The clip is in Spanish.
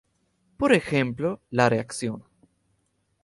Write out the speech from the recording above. Por ejemplo, la reacción.